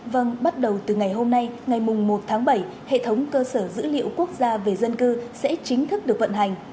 vâng bắt đầu từ ngày hôm nay ngày một tháng bảy hệ thống cơ sở dữ liệu quốc gia về dân cư sẽ chính thức được vận hành